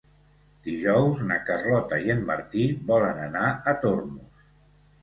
Dijous na Carlota i en Martí volen anar a Tormos.